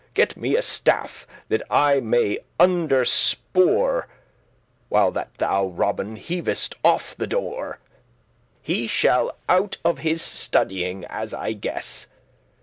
Get me a staff, that I may underspore* *lever up While that thou, Robin, heavest off the door: He shall out of his studying, as I guess."